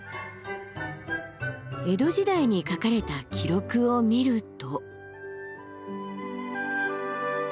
江戸時代に書かれた記録を見ると。